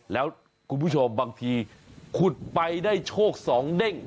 แล้วคุณผู้ชมบางทีขุดไปได้โชค๒เด้ง